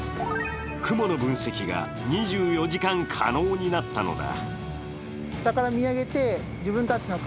雲の分析が２４時間可能になったのだ。